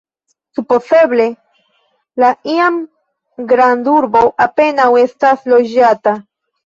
Supozeble la iam grandurbo apenaŭ estas loĝata.